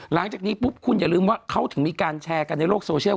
หลังจากนี้ปุ๊บคุณอย่าลืมว่าเขาถึงมีการแชร์กันในโลกโซเชียล